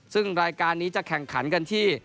ซึ่งรายการนี้จะแข่งขันกันที่